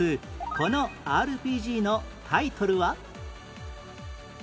この ＲＰＧ のタイトルは？